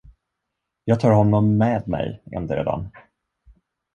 Jag tar honom med mig endera dan.